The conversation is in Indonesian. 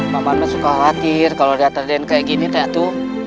lama lama suka khawatir kalau lihat raden kayak gini tegatu